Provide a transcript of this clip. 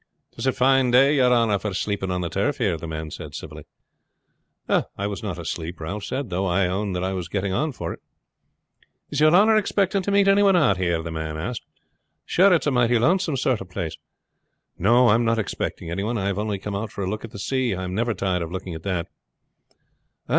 "It's a fine day, yer honor, for sleeping on the turf here," the man said civilly. "I was not asleep," Ralph said; "though I own that I was getting on for it." "Is yer honor expecting to meet any one here?" the man asked. "Sure, it's a mighty lonesome sort of place." "No, I am not expecting any one. I have only come out for a look at the sea. I am never tired of looking at that."